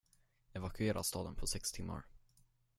Evakuera staden på sex timmar?